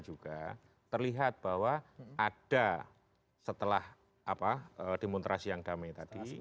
juga terlihat bahwa ada setelah demonstrasi yang damai tadi